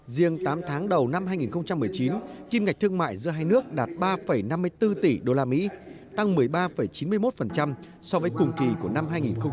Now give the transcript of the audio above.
riêng tám tháng đầu năm hai nghìn một mươi chín kim ngạch thương mại giữa hai nước đạt ba năm mươi bốn tỷ usd tăng một mươi ba chín mươi một so với cùng kỳ của năm hai nghìn một mươi tám